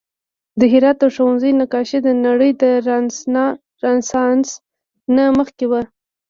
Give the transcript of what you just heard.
د هرات د ښوونځي نقاشي د نړۍ د رنسانس نه مخکې وه